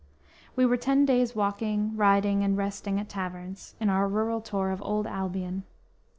We were ten days walking, riding and resting at taverns, in our rural tour of Old Albion.